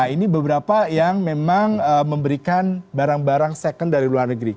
ini beberapa yang memang memberikan barang barang second dari luar negeri